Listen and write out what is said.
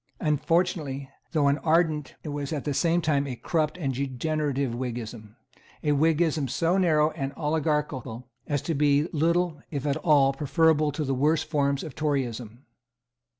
Unfortunately, though an ardent, it was at the same time a corrupt and degenerate, Whiggism; a Whiggism so narrow and oligarchical as to be little, if at all, preferable to the worst forms of Toryism.